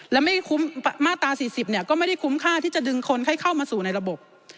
และไม่คุ้มมาตรา๔๐ก็ไม่ได้คุ้มค่าที่จะดึงคนให้เข้ามาสู่ในระบบ